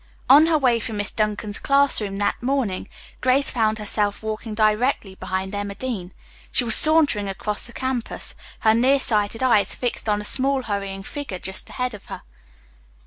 On her way from Miss Duncan's class room that morning Grace found herself walking directly behind Emma Dean. She was sauntering across the campus, her near sighted eyes fixed on a small, hurrying figure just ahead of her.